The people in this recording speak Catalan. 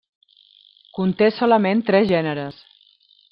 Conté solament tres gèneres.